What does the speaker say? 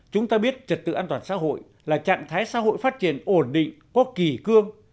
chúng ta biết trật tự an toàn xã hội là trạng thái xã hội phát triển ổn định có kỳ cương